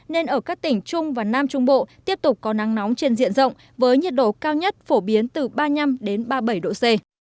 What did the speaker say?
nên ở các tỉnh trung và nam trung bộ tiếp tục có nắng nóng trên diện rộng với nhiệt độ cao nhất phổ biến từ ba mươi năm ba mươi bảy độ c